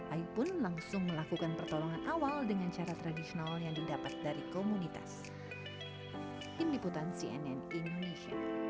ayu pun langsung melakukan pertolongan awal dengan cara tradisional yang didapat dari komunitas